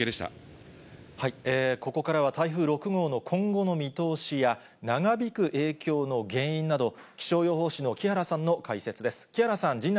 ここからは台風６号の今後の見通しや、長引く影響の原因など、気象予報士の木原さんの解説です。